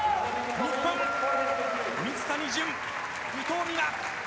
日本、水谷隼・伊藤美誠。